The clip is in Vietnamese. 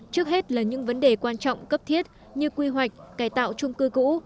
trước hết là những vấn đề quan trọng cấp thiết như quy hoạch cải tạo chung cư cũ